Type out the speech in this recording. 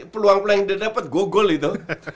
peluang peluang yang dia dapet go goal itu